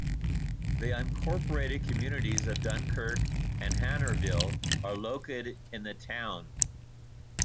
The unincorporated communities of Dunkirk and Hanerville are located in the town.